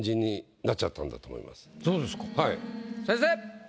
先生！